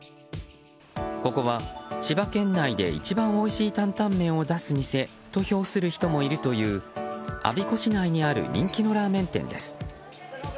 ここは、千葉県内で一番おいしい担々麺を出す店と評する人もいるという我孫子市内にある人気のラーメン店です。